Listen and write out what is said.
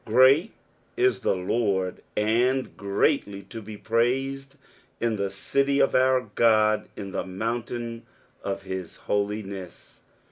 GREAT is the LORD, and greatly to be praised in the city of our God, in the mountain of his holiness.